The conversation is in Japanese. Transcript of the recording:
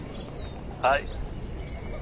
はい。